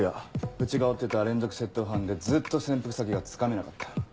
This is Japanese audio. うちが追ってた連続窃盗犯でずっと潜伏先がつかめなかった。